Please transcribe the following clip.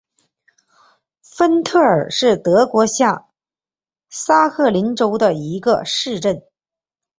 芬特尔是德国下萨克森州的一个市镇。